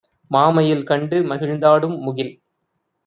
"மாமயில் கண்டு மகிழ்ந்தாடும் முகில்